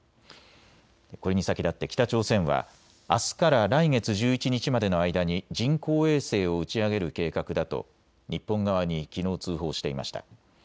これに先立って北朝鮮はあすから来月１１日までの間に人工衛星を打ち上げる計画だと日本側にきのう通報していました。